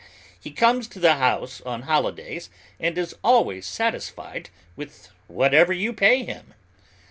He comes to the house on holidays and is always satisfied with whatever you pay him.